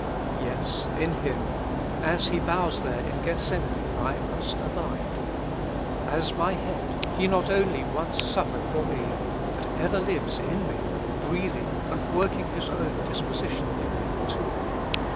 Yes, in Him, as He bows there in Gethsemane, I must abide. As my Head, He not only once suf fered for me, but ever lives in me, breathing and working His own disposition in me too.